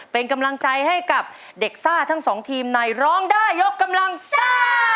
เป็นกำลังใจให้กับเด็กซ่าทั้งสองทีมในร้องได้ยกกำลังซ่า